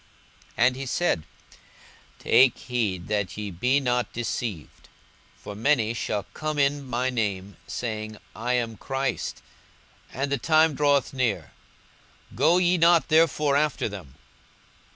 42:021:008 And he said, Take heed that ye be not deceived: for many shall come in my name, saying, I am Christ; and the time draweth near: go ye not therefore after them.